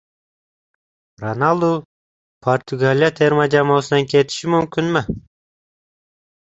Ronaldu Portugaliya terma jamoasidan ketishi mumkinmi?